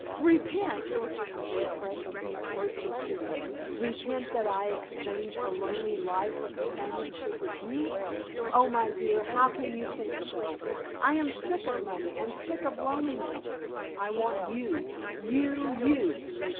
"Repent!" She pressed him closer to her. "Repent that I exchange a lonely life for companionship with you? Oh, my dear, how can you think so? I am sick of money and sick of loneliness. I want you, you, you!